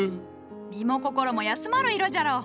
身も心も休まる色じゃろう。